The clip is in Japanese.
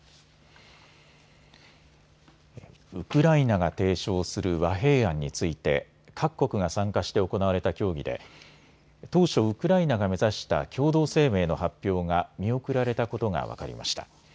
ウクライナが提唱する和平案について各国が参加して行われた協議で当初、ウクライナが目指した共同声明の発表が見送られたことが分かりました。